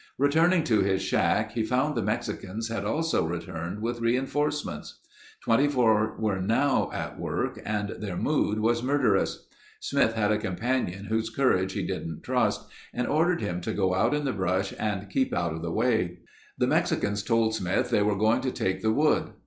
Returning to his shack, he found the Mexicans had also returned with reinforcements. Twenty four were now at work and their mood was murderous. Smith had a companion whose courage he didn't trust and ordered him to go out in the brush and keep out of the way. The Mexicans told Smith they were going to take the wood.